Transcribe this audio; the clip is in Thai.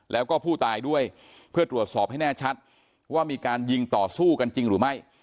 แล้วก็ผู้ตายด้วยเพื่อตรวจสอบให้แน่ชัดว่ามีการยิงต่อสู้กันจริงหรือไม่